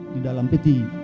di dalam peti